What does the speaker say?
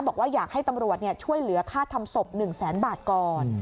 บอกว่าอยากให้ตำรวจช่วยเหลือค่าทำศพ๑แสนบาทก่อน